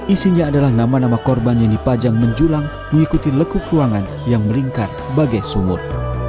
isinya adalah nama nama korban yang dipajang menjulang mengikuti lekuk ruangan yang melingkar bagai sumur